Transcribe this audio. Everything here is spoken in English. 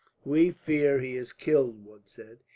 "We fear he is killed," one said.